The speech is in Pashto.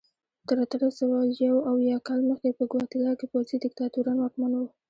تر اتلس سوه یو اویا کال مخکې په ګواتیلا کې پوځي دیکتاتوران واکمن وو.